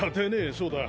そうだ。